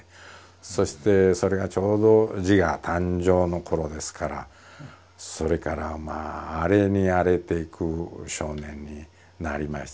そしてそれがちょうど自我誕生の頃ですからそれからまあ荒れに荒れていく少年になりましたですね。